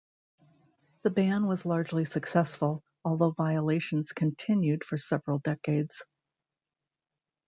The ban was largely successful, although violations continued for several decades.